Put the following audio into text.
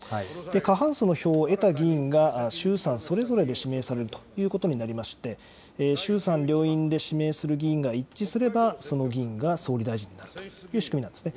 過半数の票を得た議員が衆参それぞれで指名されるということになりまして、衆参両院で指名する議員が一致すれば、その議員が総理大臣になるという仕組みなんですね。